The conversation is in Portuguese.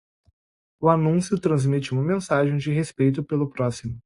O anúncio transmite uma mensagem de respeito pelo próximo.